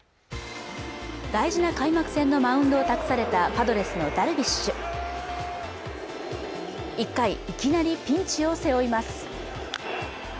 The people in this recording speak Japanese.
大事な開幕戦のマウンドを託されたパドレスのダルビッシュ１回いきなりピンチを背負います